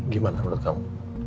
gimana menurut kamu